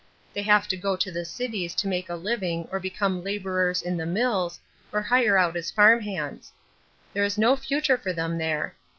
They have to go to the cities to make a living or become laborers in the mills or hire out as farm hands. There is no future for them there.